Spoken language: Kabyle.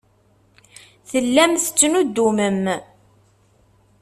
Tellam tettnuddumem.